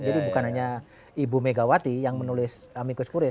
jadi bukan hanya ibu megawati yang menulis amicus curia